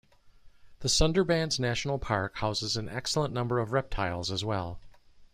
The Sundarbans National Park houses an excellent number of reptiles as well.